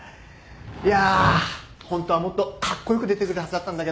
いやホントはもっとカッコ良く出てくるはずだったんだけど。